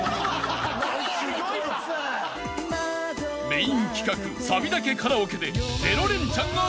［メイン企画サビだけカラオケで］